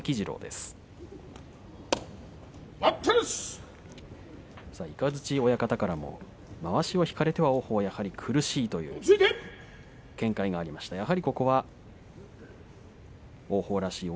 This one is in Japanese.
雷親方からもまわしを引かれると王鵬は苦しいというお話がありました。